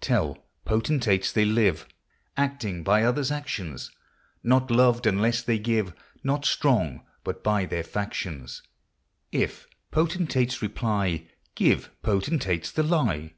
Tell potentates they live Acting by others' actions — Not loved unlesse they give, Not strong but by their factions ; If potentates reply, Give potentates the lye.